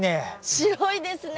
白いですね。